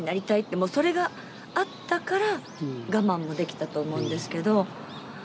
もうそれがあったから我慢もできたと思うんですけど。